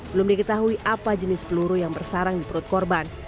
belum diketahui apa jenis peluru yang bersarang di perut korban